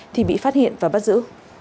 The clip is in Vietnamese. thì bị phát hiện và bắt giữ